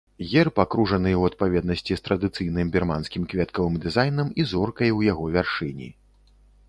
Герб акружаны ў адпаведнасці з традыцыйным бірманскім кветкавым дызайнам і зоркай у яго вяршыні.